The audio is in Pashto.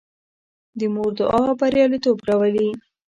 د مور دعا بریالیتوب راولي.